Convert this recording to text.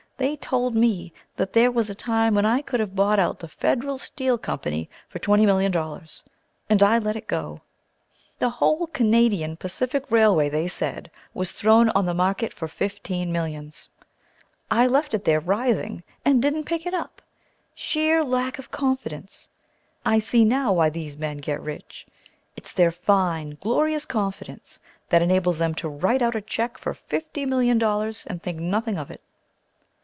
They told me that there was a time when I could have bought out the Federal Steel Co. for twenty million dollars! And I let it go. [Illustration: He showed me a church that I could have bought for a hundred thousand.] The whole Canadian Pacific Railway, they said, was thrown on the market for fifty millions. I left it there writhing, and didn't pick it up. Sheer lack of confidence! I see now why these men get rich. It's their fine, glorious confidence, that enables them to write out a cheque for fifty million dollars and think nothing of it.